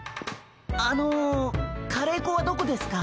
あのカレーこはどこですか？